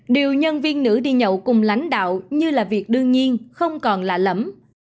điều nhân viên nữ đi nhậu cùng lãnh đạo như là việc đương nhiên không còn lạ lẫm